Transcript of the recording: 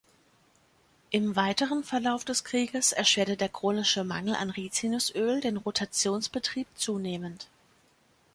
Im weiteren Verlauf des Krieges erschwerte der chronische Mangel an Rizinusöl den Rotationsbetrieb zunehmend.